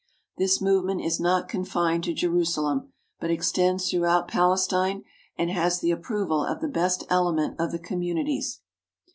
This movement is not confined to Jerusalem, but extends throughout Palestine and has the approval of the best element of the communities.